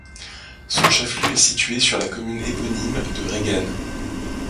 Son chef-lieu est situé sur la commune éponyme de Reggane.